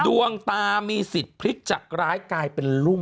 ดวงตามีสิทธิ์พลิกจากร้ายกลายเป็นรุ่ง